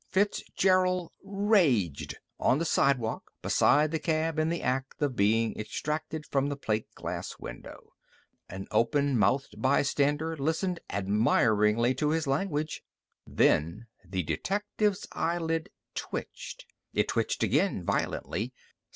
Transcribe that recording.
Fitzgerald raged, on the sidewalk beside the cab in the act of being extracted from the plate glass window. An open mouthed bystander listened admiringly to his language. Then the detective's eyelid twitched. It twitched again, violently.